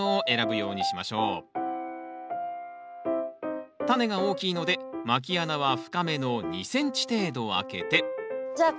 なるべくタネが大きいのでまき穴は深めの２ｃｍ程度開けてじゃあ